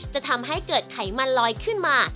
จะทำให้เกิดไขมันลอยขึ้นมา